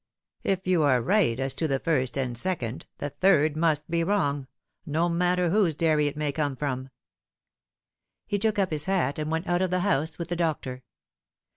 If you are right as to the first and second, the third must be wrong, no matter whose dairy it may come from." He took up his hat, and went oat of the house with the doctor.